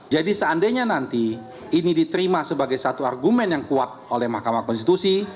jadi seandainya nanti ini diterima sebagai satu argumen yang kuat oleh mahkamah konstitusi